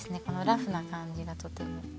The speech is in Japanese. このラフな感じがとても。